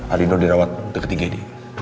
al dino dirawat deket gd